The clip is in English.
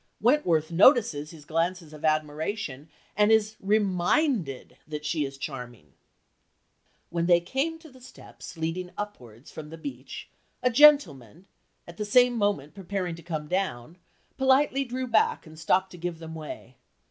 Wentworth notices his glances of admiration and is reminded that she is charming! "When they came to the steps leading upwards from the beach, a gentleman, at the same moment preparing to come down, politely drew back and stopped to give them way.